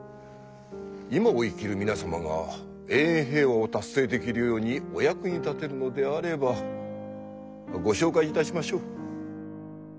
今を生きる皆様が永遠平和を達成できるようにお役に立てるのであればご紹介いたしましょう。